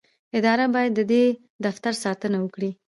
اداره باید د دې دفتر ساتنه وکړي.